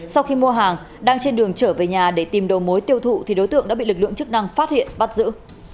sau khi mua hàng đang trên đường trở về nhà để tìm đầu mối tiêu thụ thì đối tượng đã bị lực lượng chức năng phát hiện bắt giữ